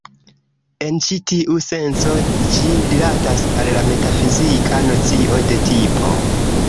En ĉi tiu senco, ĝi rilatas al la metafizika nocio de 'tipo'.